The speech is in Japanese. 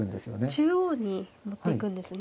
中央に持っていくんですね。